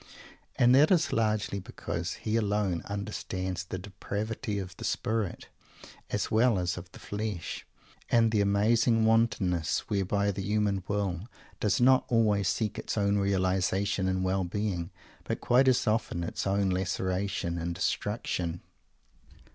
And that is largely because he alone understands the depravity of the spirit, as well as of the flesh, and the amazing wantonness, whereby the human will does not always seek its own realization and well being, but quite as often its own laceration and destruction.